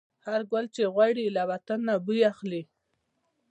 هر ګل چې غوړي، له وطن نه بوی اخلي